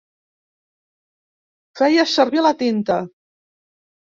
Feia servir la tinta.